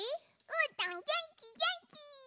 うーたんげんきげんき！